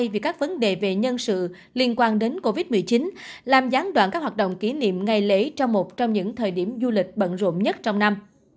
về các vấn đề về nhân sự liên quan đến covid một mươi chín làm gián đoạn các hoạt động kỷ niệm ngày lễ trong một trong những thời điểm du lịch bận rộn nhất trong năm